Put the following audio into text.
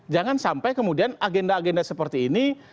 jangan sampai kemudian agenda agenda seperti ini